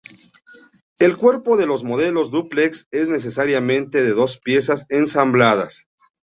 El cuerpo de los modelos dúplex es necesariamente de dos piezas ensambladas.